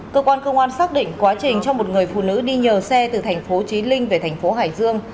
cơ quan công an xác định quá trình cho một người phụ nữ đi nhờ xe từ thành phố trí linh về thành phố hải dương